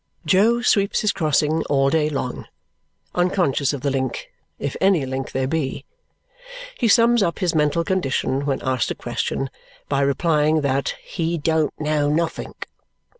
Jo sweeps his crossing all day long, unconscious of the link, if any link there be. He sums up his mental condition when asked a question by replying that he "don't know nothink."